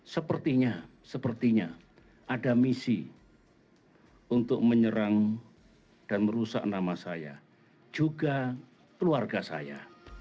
sepertinya sepertinya ada misi untuk menyerang dan merusak nama saya juga keluarga saya